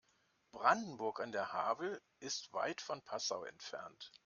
Brandenburg an der Havel ist weit von Passau entfernt